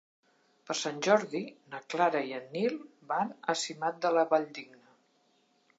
Per Sant Jordi na Clara i en Nil van a Simat de la Valldigna.